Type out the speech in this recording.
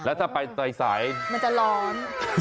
แล้วถ้าไปใสมันจะร้อน